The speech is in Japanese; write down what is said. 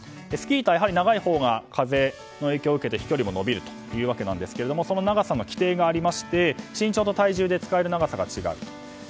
スキー板は長いほうが風の影響を受けて飛距離も伸びるというわけなんですけどその長さの規定がありまして身長と体重で使える長さが違う。